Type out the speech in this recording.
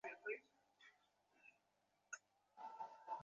কিছুদূর অগ্রসর হইতেই তরঙ্গের বেগ অত্যন্ত অধিক বোধ হইল।